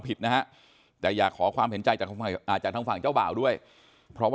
ผิดนะฮะแต่อยากขอความเห็นใจจากทางฝั่งเจ้าบ่าวด้วยเพราะว่า